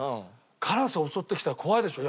カラス襲ってきたら怖いでしょ。